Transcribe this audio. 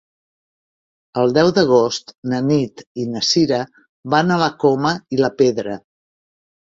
El deu d'agost na Nit i na Sira van a la Coma i la Pedra.